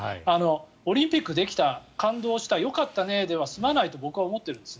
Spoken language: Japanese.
オリンピックできた感動した、よかったねでは済まないと僕は思ってるんです。